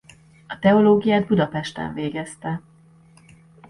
A teológiát Budapesten végezte.